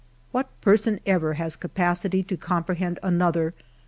What person ever has capacity to com prehend another?